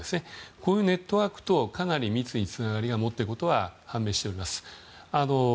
こういうネットワークとかなり密につながりを持っていることが判明しております。